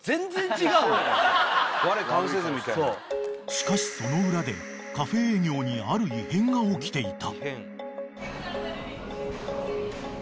［しかしその裏でカフェ営業にある異変が起きていた］